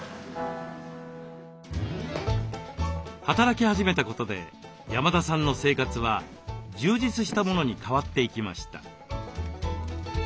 働き始めたことで山田さんの生活は充実したものに変わっていきました。